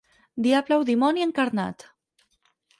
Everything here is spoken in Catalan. Diable o dimoni encarnat.